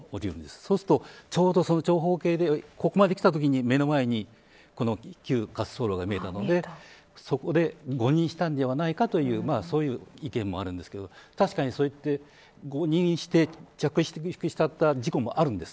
そうすると、ちょうど長方形でここまで来たときに目の前に旧滑走路が見えたのでそこで誤認したのではないかというそういう意見もあるんですけど確かに、そうして誤認して着陸した事故もあるんです。